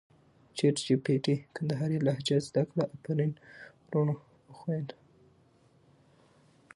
چټ جې پې ټې کندهارې لهجه زده کړه افرین ورونو او خویندو!